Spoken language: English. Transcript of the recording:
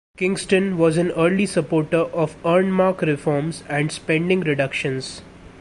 Kingston was an early supporter of earmark reforms and spending reductions.